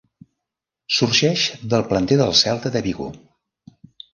Sorgeix del planter del Celta de Vigo.